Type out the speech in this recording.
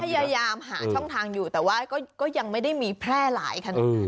พยายามหาช่องทางอยู่แต่ว่าก็ยังไม่ได้มีแพร่หลายขนาด